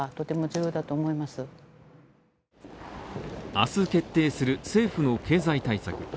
明日決定する政府の経済対策。